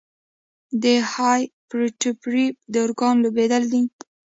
د هایپرټروفي د ارګان لویېدل دي.